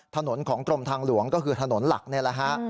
ถนนของกรมทางหลวงก็คือถนนหลักนี่แหละฮะ